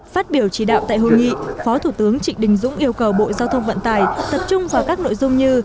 phát biểu chỉ đạo tại hội nghị phó thủ tướng trịnh đình dũng yêu cầu bộ giao thông vận tải tập trung vào các nội dung như